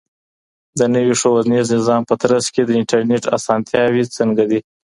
د نوي ښوونیز نظام په ترڅ کي د انټرنیټ اسانتیاوي څنګه دي؟